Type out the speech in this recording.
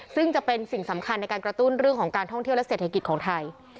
ซึ่งจะเป็นสิ่งสำคัญในการกระตุ้นเรื่องของการท่องเที่ยวและเศรษฐกิจของไทย